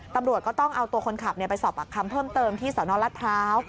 ตำรวจก็ต้องเอาตัวคนขับไปสอบปากคำเพิ่มเติมที่สนรัฐพร้าว